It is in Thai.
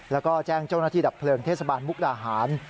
แล้วก็แจ้งเจ้าหน้าที่ดับเพลิงเทศบาลมุกดาหาร